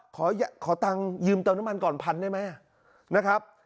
ขอตังค์ยืมเตาน้ำมันก่อน๑๐๐๐บาทได้ไหมอ่ะนะครับ